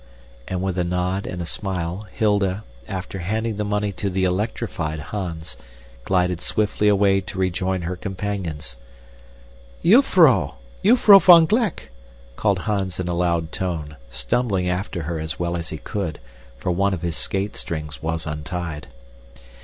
And, with a nod and a smile, Hilda, after handing the money to the electrified Hans, glided swiftly away to rejoin her companions. "Jufvrouw! Jufvrouw van Gleck!" called Hans in a loud tone, stumbling after her as well as he could, for one of his skate strings was untied.